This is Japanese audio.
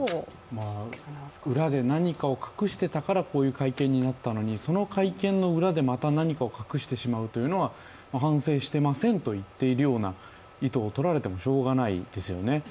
裏で何かを隠していたから、こういう会見になったのに、その会見の裏でまた何か隠してしまうというのは反省していませんと言っているという意図と取られてもしょうがないですよね。